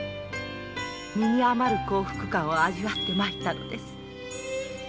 身に余る幸福感を味わって参ったのです。